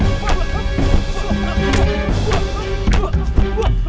kamu ahli tubuh tubuh saya